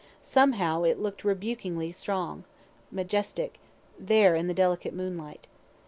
Somehow it look'd rebukefully strong, majestic, there in the delicate moonlight.